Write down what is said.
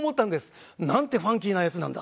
なんてファンキーなヤツなんだ。